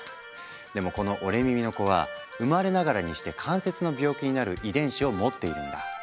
でもこの折れ耳の子は生まれながらにして関節の病気になる遺伝子を持っているんだ。